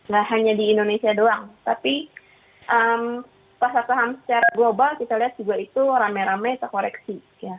gak hanya di indonesia doang tapi pasar saham secara global kita lihat juga itu rame rame terkoreksi